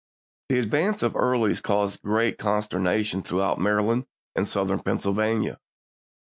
The advance of Early caused great consternation throughout Maryland and Southern Pennsylvania.